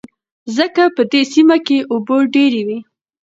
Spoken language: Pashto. ځکه په دې سيمه کې اوبه ډېر وې.